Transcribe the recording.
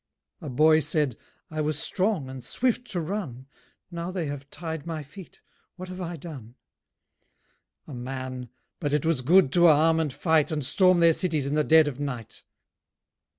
A boy said, "I was strong and swift to run: Now they have tied my feet: what have I done?" A man, "But it was good to arm and fight And storm their cities in the dead of night."